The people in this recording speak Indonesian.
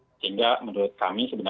sehingga menurut kami sebenarnya